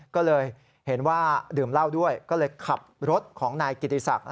ก็เลยเห็นว่าดื่มเหล้าด้วยก็เลยขับรถของนายกิติศักดิ์